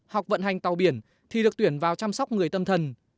học vận hành tàu biển thì được tuyển vào chăm sóc người tâm thần